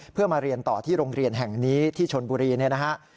เพื่อมาเรียนต่อที่โรงเรียนแห่งนี้ที่ชนบุรีเนี่ยนะฮะ